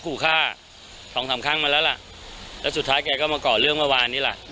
คู่ฆ่าของทำข้างมาแล้วล่ะแล้วสุดท้ายแกก็มาก่อเรื่องมาวานนี่ล่ะ